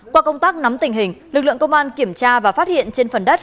qua công tác nắm tình hình lực lượng công an kiểm tra và phát hiện trên phần đất